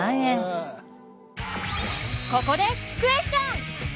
ここでクエスチョン！